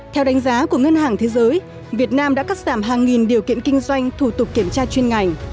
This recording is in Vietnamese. theo đánh giá của ngân hàng thế giới việt nam đã cắt giảm hàng nghìn điều kiện kinh doanh thủ tục kiểm tra chuyên ngành